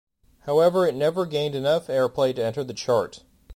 However, it never gained enough airplay to enter the chart.